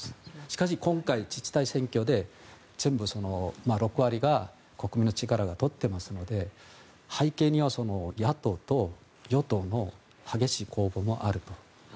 しかし今回、自治体選挙で６割を国民の力がとっていますので背景には、野党と与党の激しい攻防もあると。